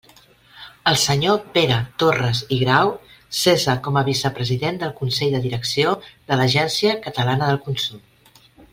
El senyor Pere Torres i Grau cessa com a vicepresident del Consell de Direcció de l'Agència Catalana del Consum.